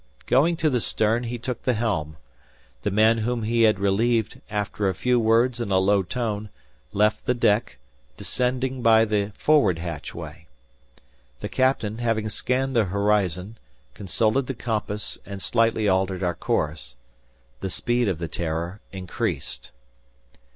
Going to the stern, he took the helm. The man whom he had relieved, after a few words in a low tone, left the deck, descending by the forward hatchway. The captain, having scanned the horizon, consulted the compass, and slightly altered our course. The speed of the "Terror" increased.